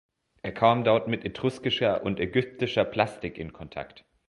Er kam dort mit etruskischer und ägyptischer Plastik in Kontakt.